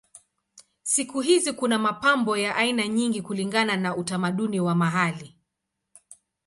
Siku hizi kuna mapambo ya aina nyingi kulingana na utamaduni wa mahali.